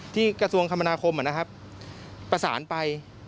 ที่กระทรวงคมนาคมนะครับประสานไป